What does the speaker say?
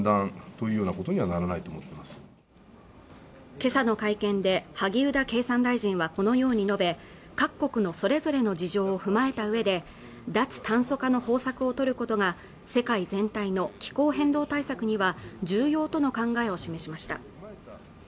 今朝の会見で萩生田経産大臣はこのように述べ各国のそれぞれの事情を踏まえた上で脱炭素化の方策をとることが世界全体の気候変動対策には重要との考えを示しました